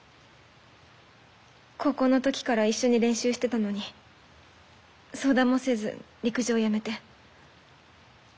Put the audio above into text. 高校の時から一緒に練習してたのに相談もせず陸上やめて。